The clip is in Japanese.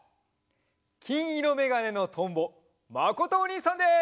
きんいろめがねのとんぼまことおにいさんです！